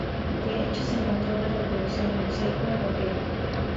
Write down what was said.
De hecho, se encontró una reproducción en mosaico en Pompeya.